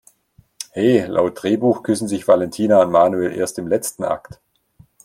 He, laut Drehbuch küssen sich Valentina und Manuel erst im letzten Akt!